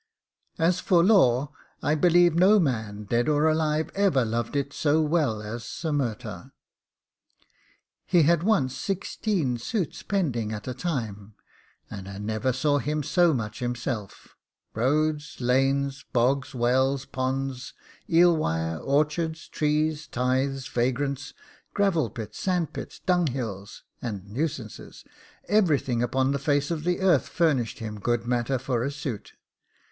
As for law, I believe no man, dead or alive, ever loved it so well as Sir Murtagh. He had once sixteen suits pending at a time, and I never saw him so much himself: roads, lanes, bogs, wells, ponds, eel wires, orchards, trees, tithes, vagrants, gravelpits, sandpits, dunghills, and nuisances, everything upon the face of the earth furnished him good matter for a suit.